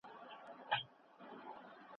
دلته مستي ورانوي